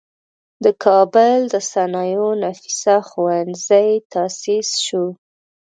د کابل د صنایعو نفیسه ښوونځی تاسیس شو.